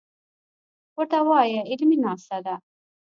ورته وايه علمي ناسته ده.